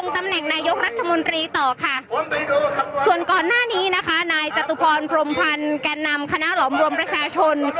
ตรีต่อค่ะส่วนก่อนหน้านี้นะคะนายจัตรุพรพรมพรรณแก่นขณะหลอมรวมประชาชน